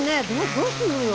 どうすんのよ。